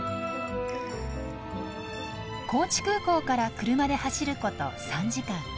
高知空港から車で走ること３時間。